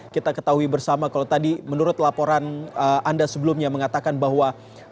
kita ketahui bersama kalau tadi menurut laporan anda sebelumnya mengatakan bahwa